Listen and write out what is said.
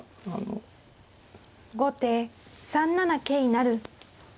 後手３七桂成。